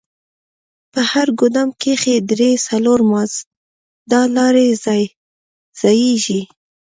په هر ګودام کښې درې څلور مازدا لارۍ ځايېږي.